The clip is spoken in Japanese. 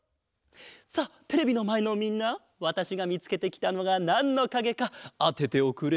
さあテレビのまえのみんなわたしがみつけてきたのがなんのかげかあてておくれ！